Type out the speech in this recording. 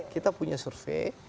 kita punya survei